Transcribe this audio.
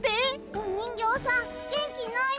おにんぎょうさんげんきないの。